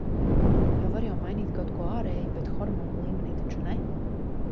Jo var jau mainīt kaut ko ārēji, bet hormonu līmenī taču ne.